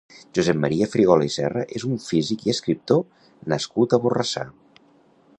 Josep Maria Frigola i Serra és un físic i escriptor nascut a Borrassà.